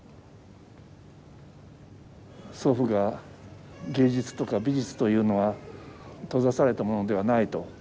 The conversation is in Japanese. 祖父が芸術とか美術というのは閉ざされたものではないと。